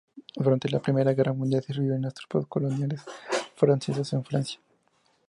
Durante la Primera Guerra Mundial sirvió en las Tropas Coloniales Francesas en Francia.